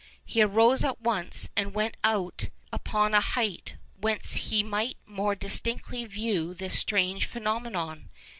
He arose at once, and went out upon a height whence he might more distinctly view this strange phenomenon.